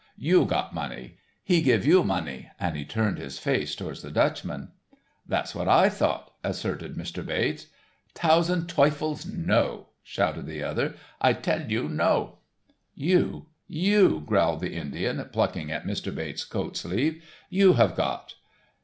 You got money. He give you money," and he turned his face towards the Dutchman. "That's what I thought," asserted Mr. Bates. "Tausend Teufels no," shouted the other. "I tell you no." "You, you," growled the Indian, plucking at Mr. Bates' coat sleeve, "you have got."